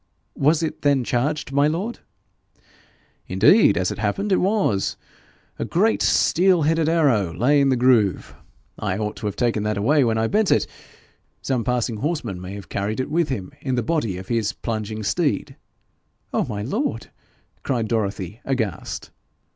'Was it then charged, my lord?' 'Indeed, as it happened, it was. A great steel headed arrow lay in the groove. I ought to have taken that away when I bent it. Some passing horseman may have carried it with him in the body of his plunging steed.' 'Oh, my lord!' cried Dorothy, aghast.